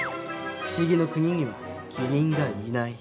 不思議の国にはキリンがいない。